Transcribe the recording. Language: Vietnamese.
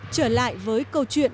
trở lại với câu chuyện